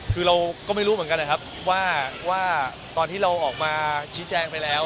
คือเราก็ไม่รู้เหมือนกันนะครับว่าตอนที่เราออกมาชี้แจงไปแล้ว